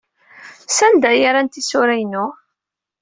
Sanda ay rran tisura-inu?